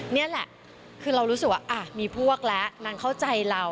นี่แหละคือเรารู้สึกว่ามีพวกแล้วนางเข้าใจเรา